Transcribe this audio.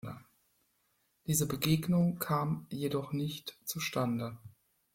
Diese Begegnung kam jedoch nicht zustande.